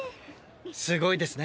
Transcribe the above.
すごいですね